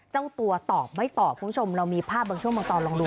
เจ้าตัวตอบไม่ตอบคุณผู้ชมเรามีภาพบางช่วงบางตอนลองดู